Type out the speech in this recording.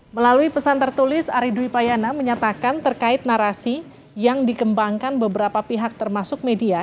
melalui pesan tertulis ari dwi payana menyatakan terkait narasi yang dikembangkan beberapa pihak termasuk media